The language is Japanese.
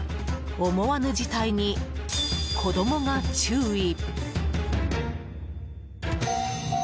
思わぬ事態に子供が注意。